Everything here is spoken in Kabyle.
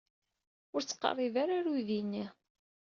Ur ttqerribet ara ɣer uydi-nni.